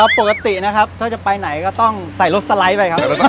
ปกตินะครับถ้าจะไปไหนก็ต้องใส่รถสไลด์ไปครับ